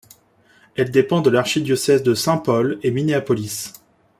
Elle dépend de l'archidiocèse de Saint Paul et Minneapolis.